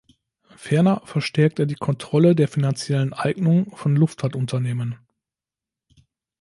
Ferner verstärkt er die Kontrolle der finanziellen Eignung von Luftfahrtunternehmen.